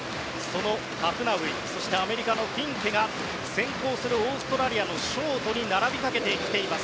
そのハフナウイそしてアメリカのフィンケが先行するオーストラリアのショートに並びかけています。